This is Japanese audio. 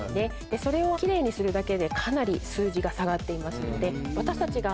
それを奇麗にするだけでかなり数字が下がっていますので。